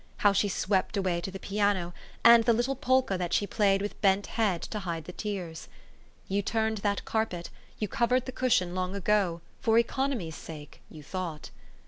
How she swept away to the piano, and the little polka that she played with bent head to hide the tears? You turned that carpet, you covered the cushion long ago, for economy's sake, you thought.